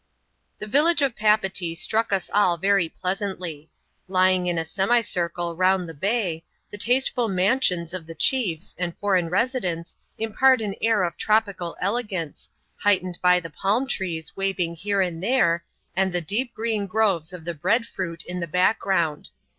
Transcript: The village of Papeetee struck us all very pleasantly. Lying in a. semicircle round the bay, the tasteful mansions of the chiefs ind foreign residents impart an air of tropical elegance, height ened by the palm trees waving here and there, and the deep green groves of the bread fruit in the background.